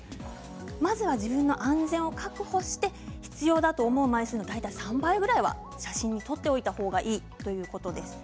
まずは自分の安全を確保して必要だと思う枚数の大体３倍ぐらいは写真に撮っておいた方がいいということです。